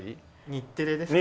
日テレですかね。